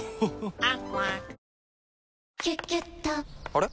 あれ？